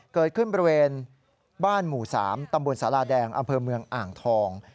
เกิดขึ้นบริเวณบ้านหมู่๓ตำบลสาราแดงอำเภอเมืองอ่างทอง